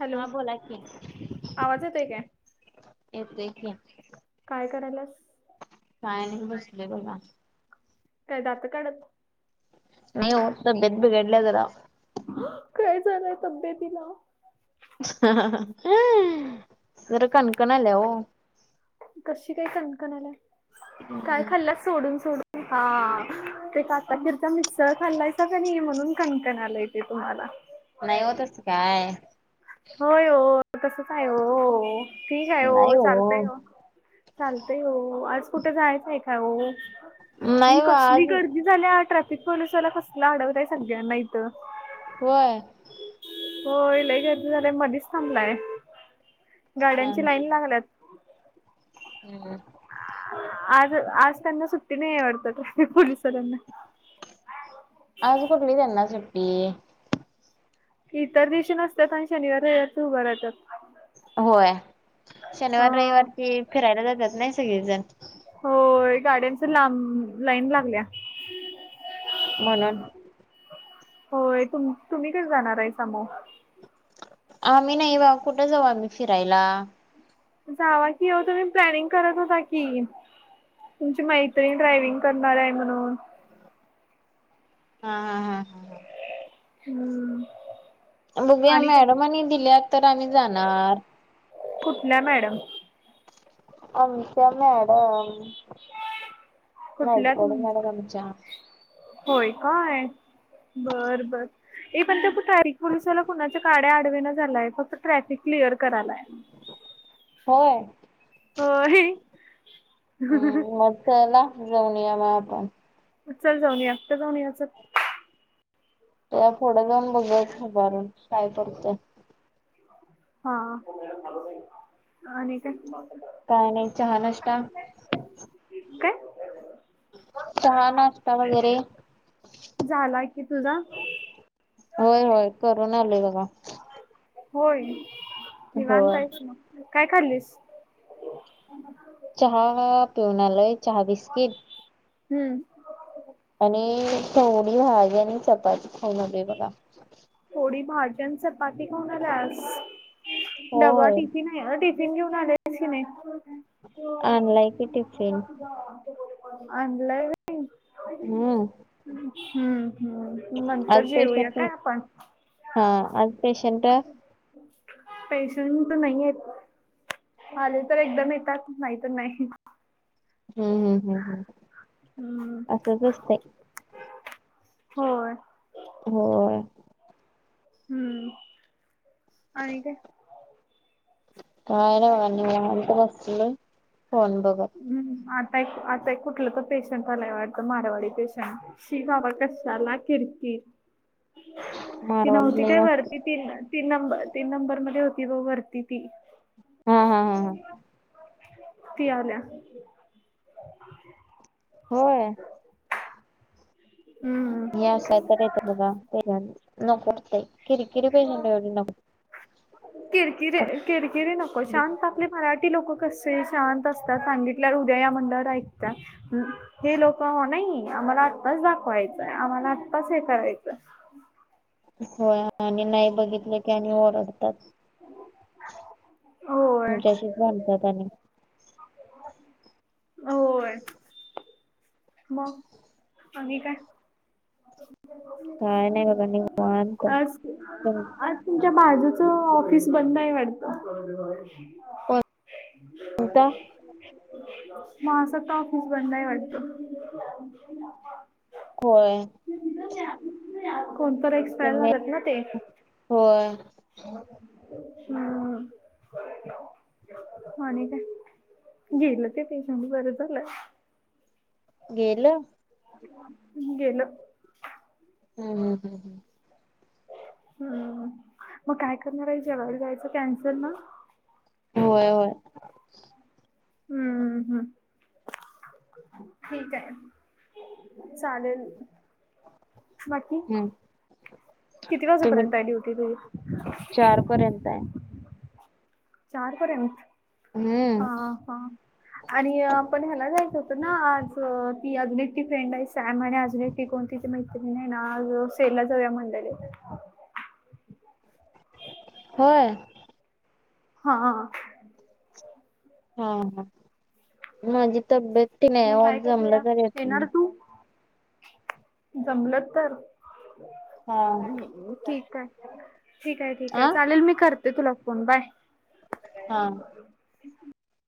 Hello. हा बोला की आवाज येतोय काय? येतोय की. काय करायलात? काय नाही. बसले बघा. काय दात काढत. नाही हो. तब्बेत बिघडल्या जरा. काय झालंय तब्येतीला? जरा कणकण आलंय हो. कशी काय कणकण आलाय? काय खाल्ल्या- सोडून सोडून. हा. कस आता भर - मिसळ खाल्लयसा का नाही? म्हणून कणकण आलंय ते तुम्हाला. नाही हो. त्याच काय- होय हो. त्याच काय हो? ठीक आहे हो. चालतय हो. चालतय हो. आज कुठे जायचं का हो? ही नाही हो आज कसली गर्दी- झाल्या ट्रॅफिक पोलीसवाला कसला अडवतय सगळ्यांना इथं. व्हय. होय. लई गर्दी झालंय न मधीच थांबलाय. हा गाड्यांची हा. लाईन लागल्यात. हम्म. आज -आज त्यांना सुट्टी नाहीये वाटत? ट्रॅफिक पोलिसवाल्यांना. आज कुठली त्यांना सुट्टी? इतर दिवशी नसतात. पण शनिवार रविवार ते उभा राहतात. होय. शनिवार अ रविवार ते फिरायला जातात ना सगळेजण? होय. गाड्यांच्या लांब लाईन लागल्या. म्हणून. होय. तु तुम्ही कस जाणार आहे? सम्भा - आम्ही नाही बा. कुठे जाऊ आम्ही फिरायला? जावा की हो. तुम्ही प्लॅनिंग करत होता की. तुमची मैत्रीिण ड्रायव्हिंग करणार आहे म्हणून. हा हा हा हा. हम्म. बघू या आणि काय? मॅडमानी दिल्या तर आम्ही जाणार. कुठल्या मॅडम? आमच्या मॅडम. नाही कुठल्या तुम थोडं मॅडमच्या -होय काय? बर बर. पण त्याच काय [unintelligible] कुणाच्या का- आडवे येणा झालाय फक्त ट्रॅफिक क्लिअर करालाय. होय! होय! हम्म मग चला जाऊन येऊया मग आपण. चल जाऊन येऊया कुठे जाऊन यायचं? त्याच्या पुढं जाऊन बघूया उभारून काय करतोय. हा आणि काय? काय नाही चहा नष्टा काय? चहा नाष्टा वगैरे? झाला की तुझा होय होय करून आलय बघा. होय निवांत होय आहेस मग, काय खाल्लीस? चहा पिऊन आलोय चहा बिस्कीट हम्म! आणि तेवढी भाजी आणि चपाती खाऊन आलोय बघा. थोडी भाजी आणि चपाती खाऊन आली आज डबा होय टिफिन टिफिन म्हणालीस की नाहीस? आणलाय की टिफिन आणलाय हम्म! हम्म हम्म! आज नंतर जेऊया पेशंट काय आपण? हा आज पेशंट पेशंट नाहीयेत. आले तर एकदम येतात नाहीतर नाही. हम्म हम् हम् हम्! हम्म! असंच असतं. होय होय! हम्म आणि काय? काय नाही निवांत बसलोय फोन बघत. हम् आता एक आता कुठलं तर पेशंट आलाय वाटतं मारावाडी पेशंट! शी बाबा कशाला किरकिर, ती नव्हती मारवाडीला काय या वरती? तीन तीन नंबर तीन नंबर मध्ये होती ब वरती ती. हा हा हा! ती आलिया. होय! हम्! हे असय तर येते बघा पहिल्यांदाच नको वाटतय किरी किरी पेशंट एवढी नको. किरकिरे किरकिरीे नको शांत आपले मराठी लोक कसे शांत असतात सांगितल्यावर उद्या या म्हटल्यावर ऐकतात. हे लोक नाही आम्हाला आत्ताच दाखवायचंय आम्हाला आत्ताच हे करायचंय. होय आणि नाही बघितले की आणि ओरडतात. हो! तुमच्याशीच भांडतात आणि होय! मग आणि काय? काय नाही बघा निवांत आज तुमच्या बाजूच ऑफिस बंद आहे वाटत! कोणता माझा ताप उघडलाय वाटतं. होय! कोण तर एक्सपायर तुम्ही झालेत ना ते. होय हम्. आणि काय गेलं ते पेशंट बर झालंय. गेलं. हंगेन. हम् हम हम हम. हम् मग काय करणार आहे जेवा्हायला जायचं कॅन्सर ना. होय होय. हम्मम् हम्म. ठीक आहे चालेल. बाकी हम्म किती वाजेपर्यंत आहे ड्युटी तझ. करर्यंत आहे. चारपर्यंत हम्म हा हा. आणि आपण ह्याला जायच होतो ना आज ती अजून एकटी फ्रेंड आहे. सम आणि अजून की कोणती मैत्रिण ना सेलला जाव्या मंडळी हो. हा. हा हा माझी तब्येत ती मग काय नाहीत जमलं त येत. जमल तर हा ठीक आहे. ठीक आहे ठीक आ आहे चालेल मी करते तुला फोन बाय. हा.